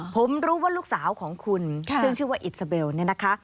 ผมรู้ว่าลูกสาวของคุณซึ่งชื่อว่าอิสราเบลเนี่ยนะคะ